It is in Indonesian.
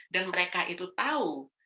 dan mereka itu tahu